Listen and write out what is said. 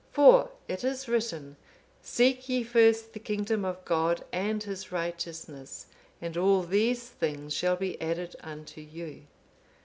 For it is written, 'Seek ye first the kingdom of God and His righteousness, and all these things shall be added unto you.